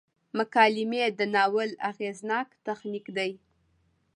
مکالمې د ناول اغیزناک تخنیک دی.